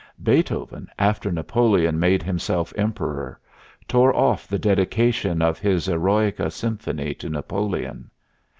Beethoven, after Napoleon made himself Emperor, tore off the dedication of his "Eroica" symphony to Napoleon.